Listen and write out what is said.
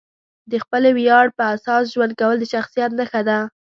د خپلې ویاړ پر اساس ژوند کول د شخصیت نښه ده.